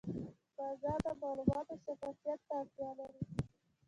بازار د معلوماتو شفافیت ته اړتیا لري.